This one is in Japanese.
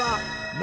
何！？